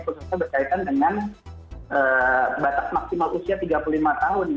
khususnya berkaitan dengan batas maksimal usia tiga puluh lima tahun